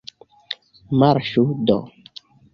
Marŝu do!